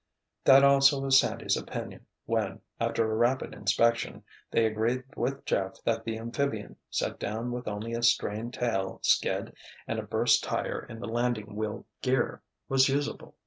That also was Sandy's opinion when, after a rapid inspection, they agreed with Jeff that the amphibian, set down with only a strained tail skid and a burst tire in the landing wheel gear, was usable.